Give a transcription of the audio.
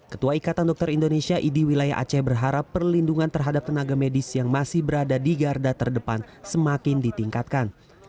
ketua ikatan dokter indonesia idi wilayah aceh berharap perlindungan terhadap tenaga medis yang masih berada di garda terdepan semakin ditingkatkan